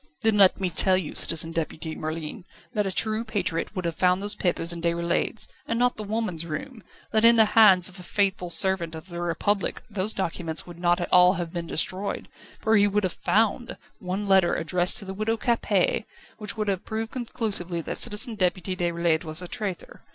"Then let me tell you, Citizen Deputy Merlin, that a true patriot would have found those papers in Déroulède's, and not the woman's room; that in the hands of a faithful servant of the Republic those documents would not all have been destroyed, for he would have 'found' one letter addressed to the Widow Capet, which would have proved conclusively that Citizen Deputy Déroulède was a traitor.